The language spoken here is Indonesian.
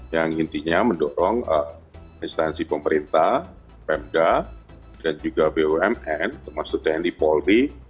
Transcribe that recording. yang intinya mendorong instansi pemerintah pemda dan juga bumn termasuk tni polri